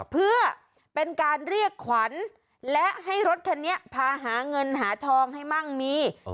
เพื่อเป็นการเรียกขวัญและให้รถคันนี้พาหาเงินหาทองให้มั่งมี